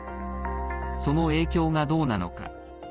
その影響がどうなのか。